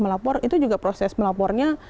melapor itu juga proses melapornya